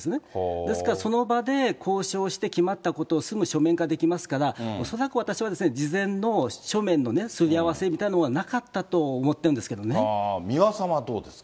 ですからその場で交渉して、決まったことをすぐ書面化できますから、恐らく私は事前の書面のね、すり合わせみたいなのがなかった三輪さんはどうですか。